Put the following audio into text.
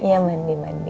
iya mandi mandi